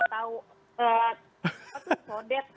kalau tau apa tuh kode